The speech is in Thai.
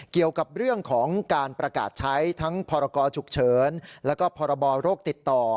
เกี่ยวกับเรื่องของการประกาศใช้ทั้งพรกรฉุกเฉินแล้วก็พรบโรคติดต่อ